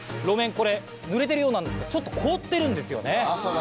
これぬれてるようなんですがちょっと凍ってるんですよね